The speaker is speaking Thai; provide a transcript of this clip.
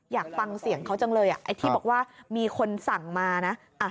อยากฟังเสียงเขาจังเลยไอ้ที่บอกว่ามีคนสั่งมานะ